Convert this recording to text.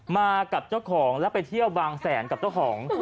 มากับเจ้าของแล้วไปเที่ยวบางแสนกับเจ้าของ